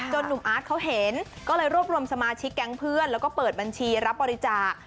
หนุ่มอาร์ตเขาเห็นก็เลยรวบรวมสมาชิกแก๊งเพื่อนแล้วก็เปิดบัญชีรับบริจาค